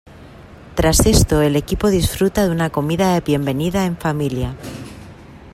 Tras esto el equipo disfruta de una comida de bienvenida en familia.